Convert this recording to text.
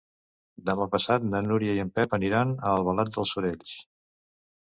Demà passat na Núria i en Pep aniran a Albalat dels Sorells.